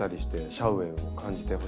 シャウエンを感じてほしいですね。